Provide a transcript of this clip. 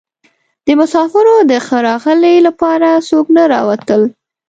د مسافرو د ښه راغلي لپاره څوک نه راوتل.